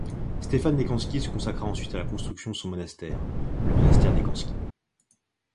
Stefan Decanski se consacra ensuite à la construction de son monastère, le monastère Decanski.